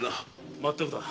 まったくだ。